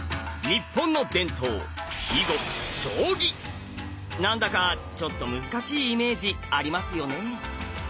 日本の伝統何だかちょっと難しいイメージありますよね。